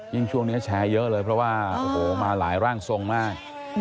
ช่วงนี้แชร์เยอะเลยเพราะว่าโอ้โหมาหลายร่างทรงมาก